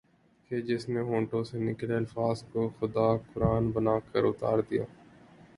کہ جس کے ہونٹوں سے نکلے الفاظ کو خدا قرآن بنا کر اتار دیتا